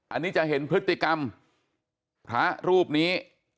อันนี้จะเห็นพฤติกรรมพระรูปนี้